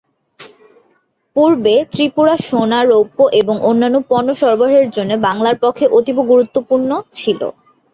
পূর্বে, ত্রিপুরা সোনা, রৌপ্য এবং অন্যান্য পণ্য সরবরাহের জন্য বাংলার পক্ষে অতীব গুরুত্বপূর্ণ ছিল।